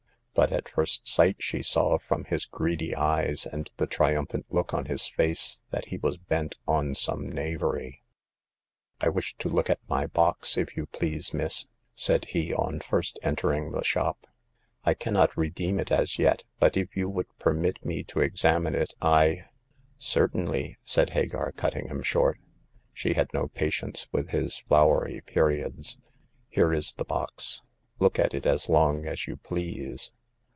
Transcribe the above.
But at first sight she saw from his greedy eyes and the triumphant look on his face that he was bent on some knavery. " I wish to look at my box, if you please, miss," said he, on first entering the shop. I cannot redeem it as yet, but if you would permit me to examine it I "Certainly !" said Hagar, cutting him short ; she had no patience with his flowery periods. Here is the box. Look at it as long as you please."